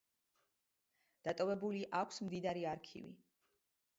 დატოვებული აქვს მდიდარი არქივი.